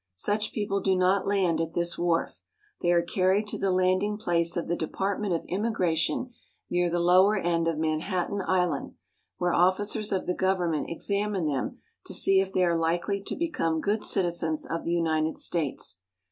Such people do not land at this wharf. They are carried to the landing place of the Department of Immigration near the lower end of Man hattan Island, where officers of the government examine them to see if they are likely to become good citizens of the United States.